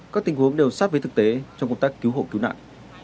các tình huống đều sát với thực tế trong công tác cứu hộ cứu nạn